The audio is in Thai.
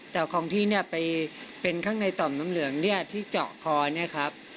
แต่ของที่เนี่ยไปเป็นข้างในต่อมน้ำเหลืองเนี่ยที่เจาะคอเนี่ยครับ